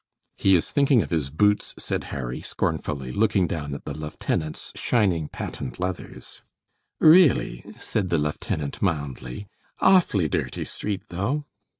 "He is thinking of his boots," said Harry, scornfully, looking down at the lieutenant's shining patent leathers. "Really," said the lieutenant, mildly, "awfully dirty street, though."